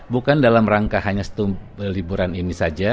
bukan dalam rangka hanya liburan ini saja